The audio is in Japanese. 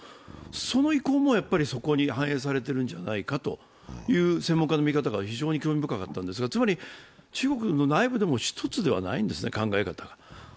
その意向もそこに反映しているんじゃないかという専門家の見方が非常に興味深かったんですが、つまり中国の内部でも一つではないんですね、考え方が。